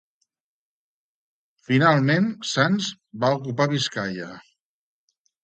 Finalment Sanç va ocupar Biscaia.